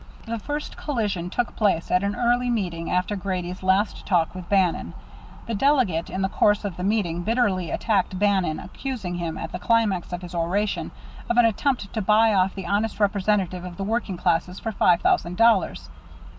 The first collision took place at an early meeting after Grady's last talk with Bannon. The delegate, in the course of the meeting, bitterly attacked Bannon, accusing him, at the climax of his oration, of an attempt to buy off the honest representative of the working classes for five thousand dollars.